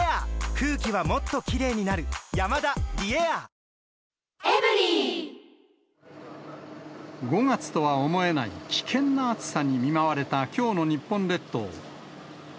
東京は、ことし初めて３０度を超え、５月とは思えない危険な暑さに見舞われたきょうの日本列島。